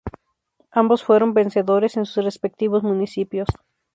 Ambos fueron vencedores en sus respectivos municipios.